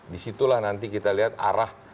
disitulah nanti kita lihat arah